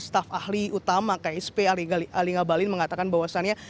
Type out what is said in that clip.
staf ahli utama ksp ali ngabalin mengatakan bahwasannya